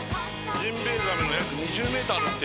ジンベエザメが約２０ｍあるって。